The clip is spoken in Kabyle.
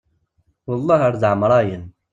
Welleh ar d ɛemrayen.